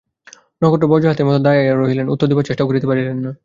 নক্ষত্র বজ্রাহতের মতো দাঁড়াইয়া রহিলেন, উত্তর দিবার চেষ্টাও করিতে পারিলেন না।